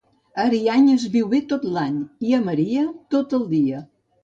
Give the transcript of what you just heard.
A Ariany es viu bé tot l'any i, a Maria, tot el dia.